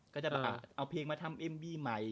ก็จะแบบเอาเพลงมาทำเอ็มบี้ใหม่